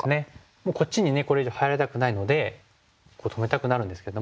もうこっちにねこれ以上入られたくないので止めたくなるんですけども。